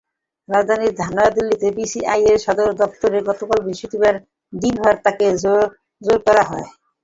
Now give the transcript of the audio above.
রাজধানী নয়াদিল্লিতে সিবিআই সদর দপ্তরে গতকাল বৃহস্পতিবার দিনভর তাঁকে জেরা করা হয়।